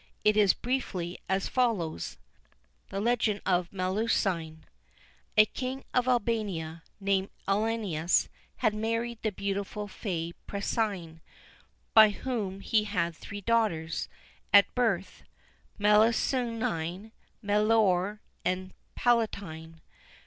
It is briefly as follows: THE LEGEND OF MELUSINE. A King of Albania, named Elinas, had married the beautiful Fay Pressine, by whom he had three daughters at a birth, Melusine, Melior, and Palatine.